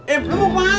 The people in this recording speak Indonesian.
im lu mau kemana